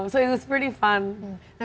jadi itu cukup menyenangkan